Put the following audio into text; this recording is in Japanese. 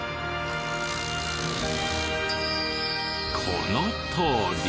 このとおり。